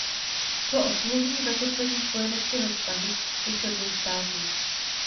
Šlo o smluvní zakotvení spojeneckého vztahu těchto dvou států.